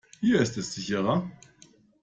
Hier ist es sicherer.